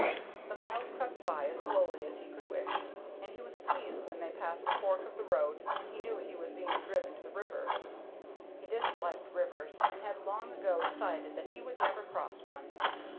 The miles crept by as slowly as he could wish, and he was pleased when they passed a fork of the road and he knew he was being driven to the river. He disliked rivers, and had long ago decided that he would never cross one.